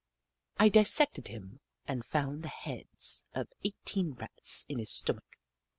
I dissected him and found the heads of eighteen Rats in his stomach.